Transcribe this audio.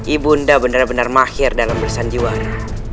ibu nda benar benar mahir dalam bersanjuara